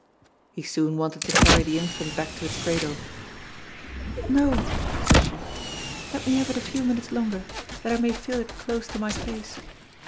He soon wanted to carry the infant back to its cradle. "No," said she, "let me have it a few minutes longer, that I may feel it close to my face.